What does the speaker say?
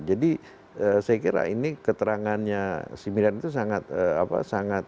jadi saya kira ini keterangannya si miriam itu sangat apa sangat